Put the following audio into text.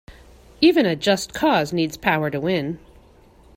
Even a just cause needs power to win.